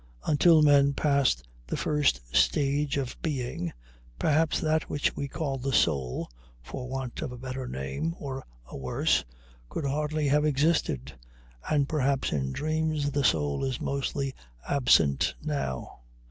Until men passed the first stage of being, perhaps that which we call the soul, for want of a better name, or a worse, could hardly have existed, and perhaps in dreams the soul is mostly absent now.